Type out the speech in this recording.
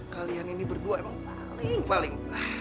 kalian ini berdua emang paling paling